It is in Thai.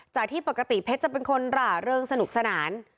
จากที่ปกติเพชรจะเป็นคนหร่าเริงสนุกสนาน